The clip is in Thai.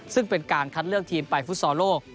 ซึ่งเป็นการคัดเลือกทีมไปฟุตซอลโลก